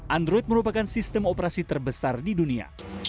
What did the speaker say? android merupakan sistem operasi terbesar di dunia